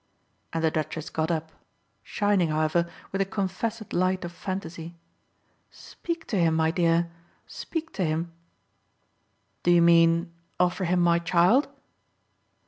And the Duchess got up shining, however, with a confessed light of fantasy. "Speak to him, my dear speak to him!" "Do you mean offer him my child?"